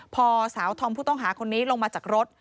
พอสาวธอมผู้ต้องหาคนนี้ลงมาจากรถ